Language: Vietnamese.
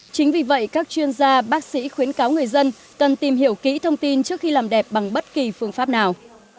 chính vì vậy các chuyên gia bác sĩ khuyến cáo người dân cần tìm hiểu kỹ thông tin trước khi làm đẹp bằng bất kỳ phương pháp nào